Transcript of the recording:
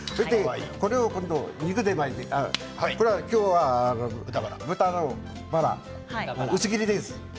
これを肉で巻いていく今日は豚のバラ、薄切りです。